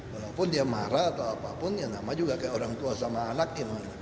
walaupun dia marah atau apapun ya nama juga kayak orang tua sama anak gimana